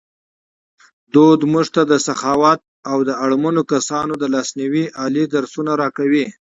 فرهنګ موږ ته د سخاوت او د اړمنو کسانو د لاسنیوي عالي درسونه راکوي.